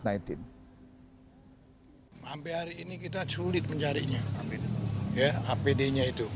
sampai hari ini kita sulit mencarinya apd nya itu